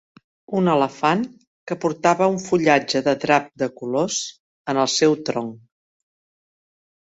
un elefant que portava un fullatge de drap de colors en el seu tronc.